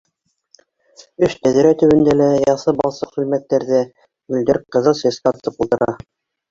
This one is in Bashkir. Өс тәҙрә төбөндә лә яҫы балсыҡ сүлмәктәрҙә гөлдәр ҡыҙыл сәскә атып ултыра.